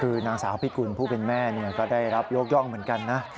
คือนางสาวพิกุลผู้เป็นแม่ก็ได้รับยกย่องเหมือนกันนะ